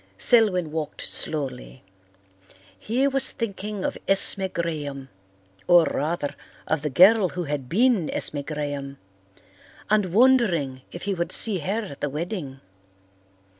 Selwyn walked slowly. He was thinking of Esme Graham or, rather, of the girl who had been Esme Graham, and wondering if he would see her at the wedding.